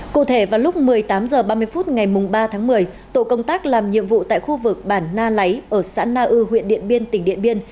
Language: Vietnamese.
cụ thể vào lúc một mươi tám h ba mươi phút ngày ba tháng một mươi tổ công tác làm nhiệm vụ tại khu vực bản nay ở xã na ư huyện điện biên tỉnh điện biên